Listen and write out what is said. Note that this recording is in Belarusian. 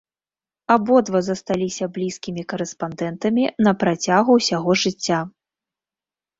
Абодва засталіся блізкімі карэспандэнтамі на працягу ўсяго жыцця.